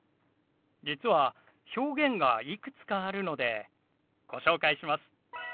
実は表現がいくつかあるのでご紹介します。